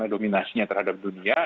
dominasinya terhadap dunia